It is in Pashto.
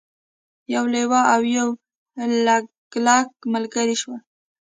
یو لیوه او یو لګلګ ملګري شول.